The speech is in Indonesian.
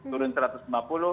turun satu ratus lima puluh ribu